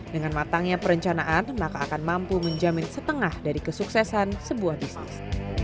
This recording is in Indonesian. dengan matangnya perencanaan maka akan mampu menjamin setengah dari kesuksesan sebuah bisnis